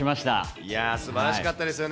いや、すばらしかったですよね。